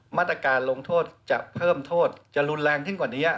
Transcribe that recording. มาตรการลงโทษจะเพิ่มโทษจะรุนแรงขึ้นกว่านี้